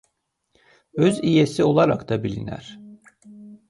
Öz iyesi olaraq da bilinər.